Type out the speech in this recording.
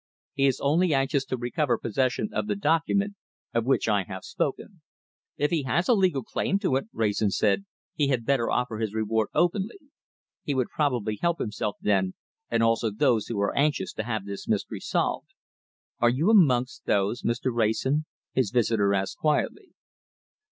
He is only anxious to recover possession of the document of which I have spoken." "If he has a legal claim to it," Wrayson said, "he had better offer his reward openly. He would probably help himself then, and also those who are anxious to have this mystery solved." "Are you amongst those, Mr. Wrayson?" his visitor asked quietly.